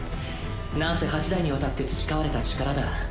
なんせ８代にわたって培われた力だ。